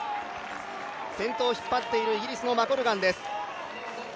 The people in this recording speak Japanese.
先頭を引っ張っているイギリスのマコルガンです。